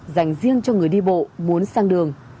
dành riêng cho người đi bộ muốn sang đường